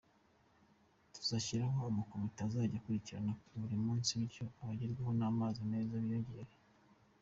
Tuzashyiraho amakomite azajya abikurikirana buri munsi bityo abagerwaho n’amazi meza biyongere.